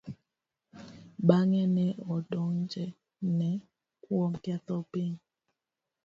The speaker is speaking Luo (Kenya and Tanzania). Bang'e, ne odonjne kuom ketho pinygi.